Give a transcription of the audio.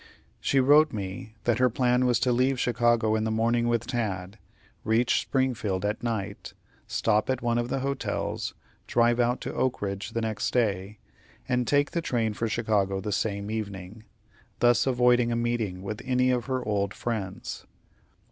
She wrote me that her plan was to leave Chicago in the morning with Tad, reach Springfield at night, stop at one of the hotels, drive out to Oak Ridge the next day, and take the train for Chicago the same evening, thus avoiding a meeting with any of her old friends.